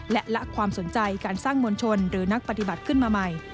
และละความสนใจการสร้างมวลชนหรือนักปฏิบัติขึ้นมาใหม่